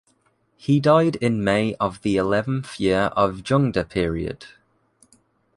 He died in May of the eleventh year of Zhengde period.